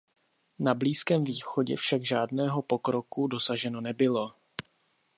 Na Blízkém východě však žádného pokroku dosaženo nebylo.